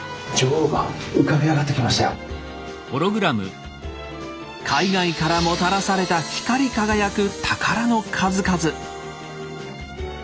あっ海外からもたらされた光り輝く宝の数々。